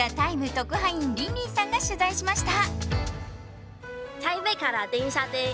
特派員リンリンさんが取材しました。